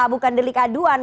bukan delik aduan